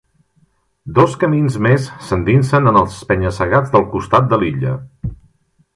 Dos camins més s'endinsen en els penya-segats del costat de l'illa.